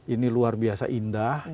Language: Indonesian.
ini luar biasa indah